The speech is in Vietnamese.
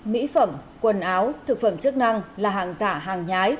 mỹ phẩm quần áo thực phẩm chức năng là hàng giả hàng nhái